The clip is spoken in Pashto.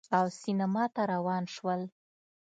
او سینما ته روان شول